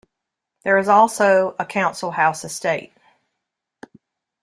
There is also a council house estate.